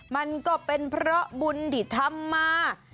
มันก็เป็นเพราะบุญที่ทำมา